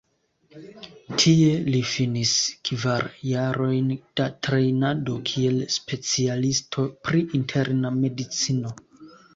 Tie li finis kvar jarojn da trejnado kiel specialisto pri interna medicino.